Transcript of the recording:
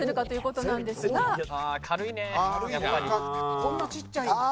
こんなちっちゃいんだ。